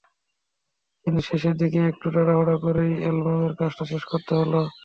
কিন্তু শেষের দিকে একটু তাড়াহুড়ো করেই অ্যালবামের কাজটা শেষ করতে হলো।